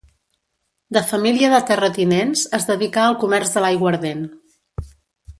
De família de terratinents, es dedicà al comerç de l'aiguardent.